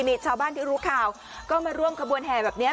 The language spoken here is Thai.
มีชาวบ้านที่รู้ข่าวก็มาร่วมขบวนแห่แบบนี้